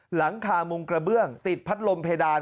หลังคามุงกระเบื้องติดพัดลมเพดาน